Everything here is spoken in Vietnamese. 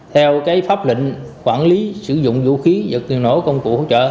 theo pháp lệnh quản lý sử dụng vũ khí và tiêu nổ công cụ hỗ trợ